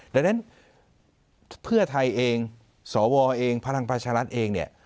ดังนั้นเพื่อไทยเองสวเองพลังประชารัฐเองเนี่ย